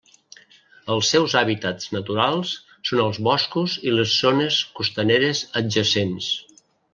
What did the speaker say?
Els seus hàbitats naturals són els boscos i les zones costaneres adjacents.